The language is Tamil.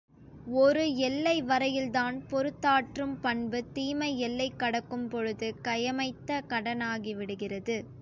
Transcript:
ஒரு எல்லை வரையில்தான் பொறுத்தாற்றும் பண்பு தீமை எல்லைக் கடக்கும் பொழுது கயமைத்தனமாகிவிடுகிறது!